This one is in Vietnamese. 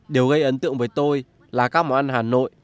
đều gây ấn tượng với tôi là các món ăn hà nội